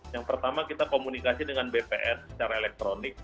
yang pertama kita komunikasi dengan bpn secara elektronik